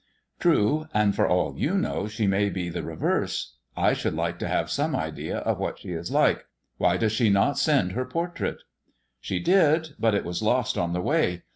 " True ; and for all you know, she may be the reverse. I should like to have some idea of what she is like. Why does not she send her portrait ?''" She did, but it was lost on the way.